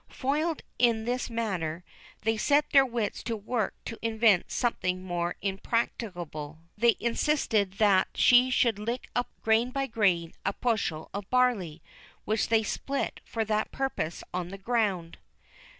Foiled in this matter, they set their wits to work to invent something more impracticable. They insisted that she should lick up, grain by grain, a bushel of barley, which they spilt for that purpose on the ground.